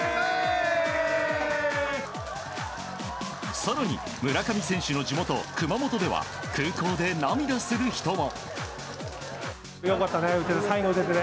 更に村上選手の地元・熊本では空港で涙する人も。